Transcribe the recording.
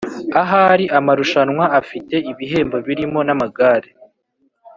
Ahari amarushumwa afite ibihembo birimo namagare